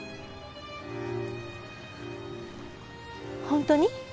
本当に？